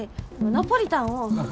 ナポリタンを？